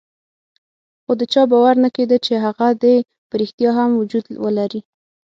خو د چا باور نه کېده چې هغه دې په ريښتیا هم وجود ولري.